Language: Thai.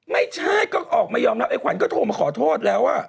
ไม่ใช่ก็ออกมายอมรับไอขวัญก็โทรมาขอโทษแล้ว